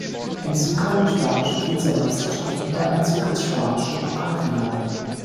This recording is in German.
Hinzu kam die spanische Vizemeisterschaft und der Einzug ins spanische Pokalfinale.